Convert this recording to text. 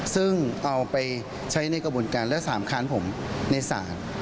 ซึ่งเอาไปใช้ในกระบวนการและสามค้านผมในศาล